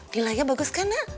nilainya bagus kan na